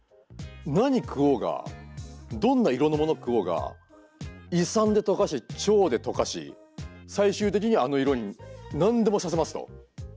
何食おうがどんな色のもの食おうが胃酸で溶かして腸で溶かし最終的にはあの色に何でもさせますと。